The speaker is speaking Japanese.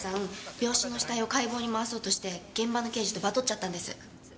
病死の死体を解剖に回そうとして現場の刑事とバトっちゃったんです。